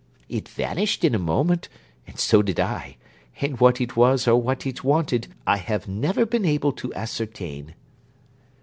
It vanished in a moment, and so did I; and what it was or what it wanted I have never been able to ascertain.